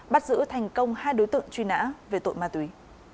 bắt giữ thành công hai đối tượng truy nã về tội ma túy